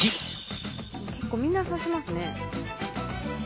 結構みんな刺しますね。